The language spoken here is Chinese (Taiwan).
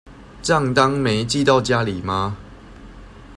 帳單沒寄到家裡嗎？